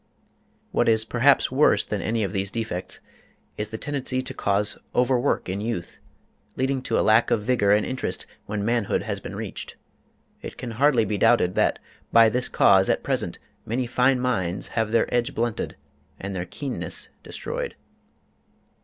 What is perhaps worse than any of these defects is the tendency to cause overwork in youth, leading to lack of vigor and interest when manhood has been reached. It can hardly be doubted that by this cause, at present, many fine minds have their edge blunted and their keenness destroyed.